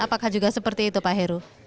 apakah juga seperti itu pak heru